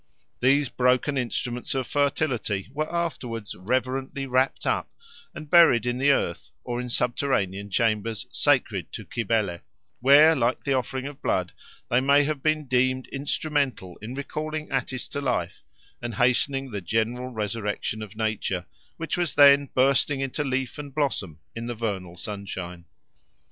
These broken instruments of fertility were afterwards reverently wrapt up and buried in the earth or in subterranean chambers sacred to Cybele, where, like the offering of blood, they may have been deemed instrumental in recalling Attis to life and hastening the general resurrection of nature, which was then bursting into leaf and blossom in the vernal sunshine.